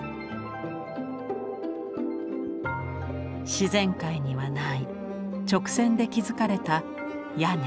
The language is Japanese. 自然界にはない直線で築かれた屋根柱窓。